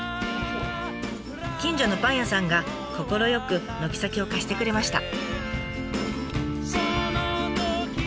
近所のパン屋さんが快く軒先を貸してくれました。